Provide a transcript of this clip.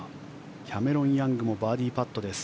キャメロン・ヤングもバーディーパットです。